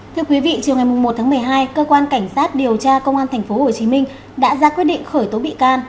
thưa quý vị chiều ngày một tháng một mươi hai cơ quan cảnh sát điều tra công an tp hcm đã ra quyết định khởi tố bị can